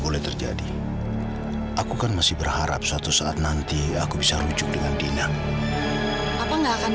boleh terjadi aku kan masih berharap suatu saat nanti aku bisa rujuk dengan dina papa nggak akan